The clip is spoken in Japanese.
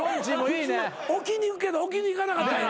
普通置きにいくけど置きにいかなかった今。